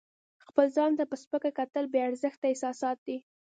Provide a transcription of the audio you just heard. خپل ځان ته په سپکه کتل بې ارزښته احساسات دي.